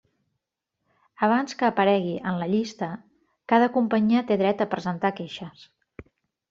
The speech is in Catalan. Abans que aparegui en la llista, cada companyia té dret a presentar queixes.